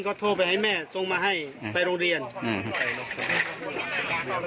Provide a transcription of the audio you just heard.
ก็โทรไปให้แม่ส่งมาให้ไปโรงเรียนอืม